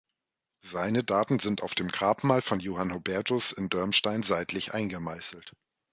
Seine Daten sind auf dem Grabmal von Johann Hubertus in Dirmstein seitlich eingemeißelt.